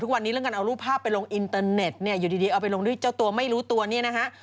ทุกวันนี้เรื่องการเอารูปภาพไปลงอินเตอร์เน็ตเนี่ยอยู่ดีเอาไปลงด้วยเจ้าตัวไม่รู้ตัวเนี่ยนะฮะ